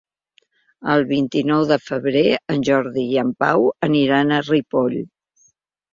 El vint-i-nou de febrer en Jordi i en Pau aniran a Ripoll.